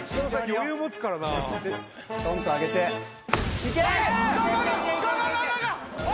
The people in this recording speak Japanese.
余裕持つからなトンと上げていけっ！